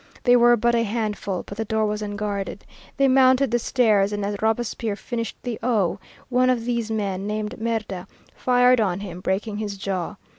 They were but a handful, but the door was unguarded. They mounted the stairs and as Robespierre finished the "o", one of these men, named Merda, fired on him, breaking his jaw.